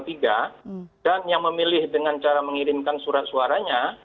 dan yang memilih dengan cara mengirimkan surat suaranya